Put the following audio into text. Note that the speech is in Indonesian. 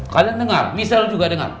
kalian dengar bisa lu juga dengar